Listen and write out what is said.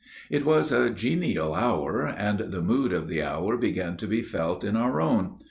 It was a genial hour, and the mood of the hour began to be felt in our own.